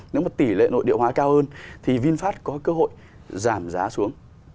nếu mà tỷ lệ nội địa hóa cao hơn thì vinfast có cơ hội giảm giá xuống